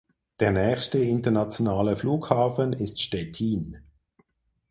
Der nächste internationale Flughafen ist Stettin.